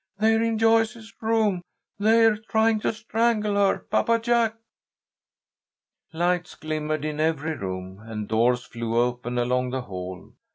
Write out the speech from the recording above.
They're in Joyce's room! They're trying to strangle her! Papa Jack!" Lights glimmered in every room, and doors flew open along the hall.